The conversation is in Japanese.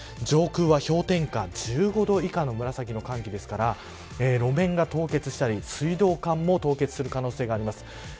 上空は氷点下１５度以下の紫の寒気ですから路面が凍結したり水道管も凍結する可能性があります。